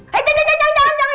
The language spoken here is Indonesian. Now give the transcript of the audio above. hei jangan jangan jangan jangan